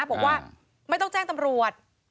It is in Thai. บอกว่าไม่ต้องแจ้งตำรวจ